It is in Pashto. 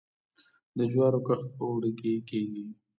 د جوارو کښت په اوړي کې کیږي.